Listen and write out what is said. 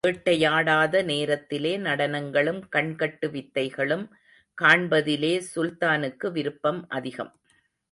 வேட்டையாடாத நேரத்திலே, நடனங்களும் கண்கட்டு வித்தைகளும் காண்பதிலே சுல்தானுக்கு விருப்பம் அதிகம்.